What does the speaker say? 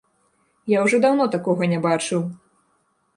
Я ўжо даўно такога не бачыў!